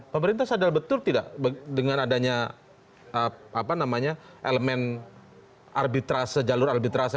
pemerintah sadar betul tidak dengan adanya elemen jalur arbitrase